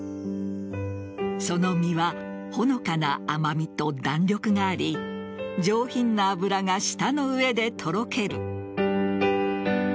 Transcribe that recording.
その身はほのかな甘みと弾力があり上品な脂が舌の上でとろける。